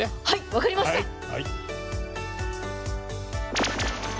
はい分かりました。